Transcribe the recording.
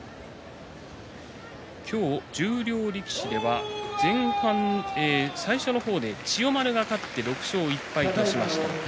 今日十両力士では最初の方で千代丸が勝って６勝１敗としました。